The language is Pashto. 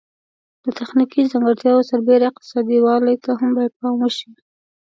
د تخنیکي ځانګړتیاوو سربیره اقتصادي والی ته هم باید پام وشي.